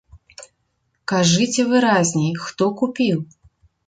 Кажыце выразней, хто купіў?